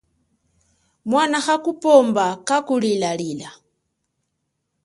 Mwana hakupomba kaku lilalila.